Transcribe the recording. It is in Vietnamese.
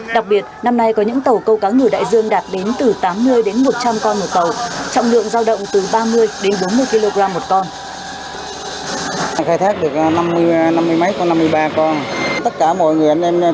đặc biệt năm nay có những tàu câu cá ngửi đại dương đạt đến từ tám mươi đến một trăm linh con một tàu